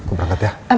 aku berangkat ya